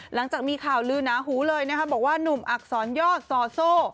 หลังจากมีข่าวลือหนาหูเลยนะคะบอกว่าหนุ่มอักษรยอดจอโซ่